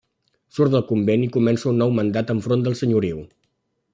Surt del convent i comença un nou mandat enfront del Senyoriu.